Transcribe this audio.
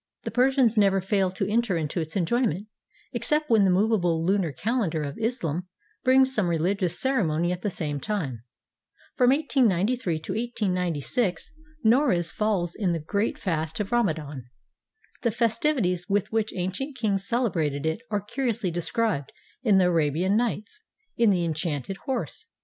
The Persians never fail to enter into its enjoyment, except when the movable lunar calendar of Islam brings some reHgious ceremony at the same time. From 1893 to 1896 Noruz falls in the great fast of Rama dan. The festivities with which ancient kings celebrated it are curiously described in the "Arabian Nights," in ''The Enchanted Horse."